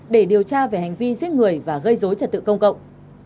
để điều tra về hành vi giết người và gây dối trật tự công cộng